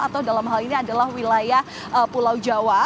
atau dalam hal ini adalah wilayah pulau jawa